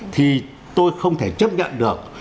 thì tôi không thể chấp nhận được